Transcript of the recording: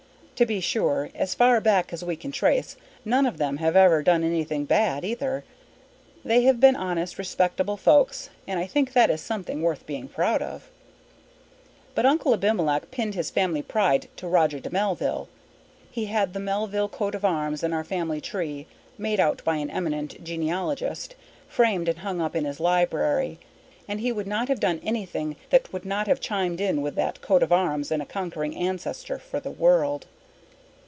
To be sure, as far back as we can trace, none of them has ever done anything bad either. They have been honest, respectable folks and I think that is something worth being proud of. But Uncle Abimelech pinned his family pride to Roger de Melville. He had the Melville coat of arms and our family tree, made out by an eminent genealogist, framed and hung up in his library, and he would not have done anything that would not have chimed in with that coat of arms and a conquering ancestor for the world.